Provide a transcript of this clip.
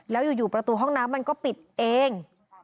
แล้วอยู่ประตูห้องน้ำมันก็ปิดเอง